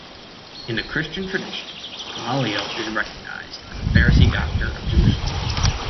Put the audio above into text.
In the Christian tradition, Gamaliel is recognized as a Pharisee doctor of Jewish Law.